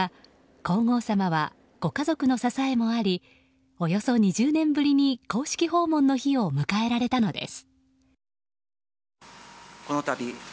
皇后さまはご家族の支えもありおよそ２０年ぶりに公式訪問の日を迎えられたのです。